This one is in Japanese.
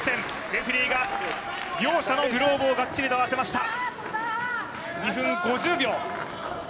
レフェリーが両者のグローブをがっちり合わせました。